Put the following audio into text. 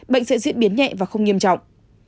bệnh sẽ diễn biến nhẹ và không nghiêm trọng